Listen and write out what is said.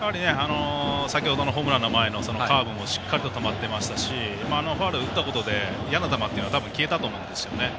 先ほどのホームランの前のカーブもしっかり止まってましたしホームラン打ったことで嫌な球が消えたと思います。